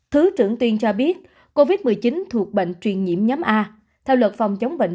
thứ trưởng tuyên cho biết covid một mươi chín thuộc bệnh truyền nhiễm nhóm a theo luật phòng chống bệnh